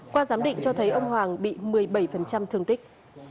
qua giám định cho thấy ông hoàng bị một mươi bảy thương tích